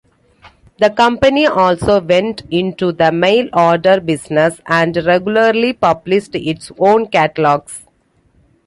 The company also went into the mail-order business and regularly published its own catalogs.